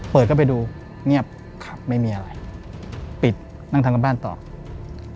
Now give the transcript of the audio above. เปิดเข้าไปดูเงียบครับไม่มีอะไรปิดนั่งทางการบ้านต่อ